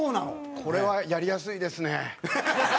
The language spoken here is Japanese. これはやりやすいですね。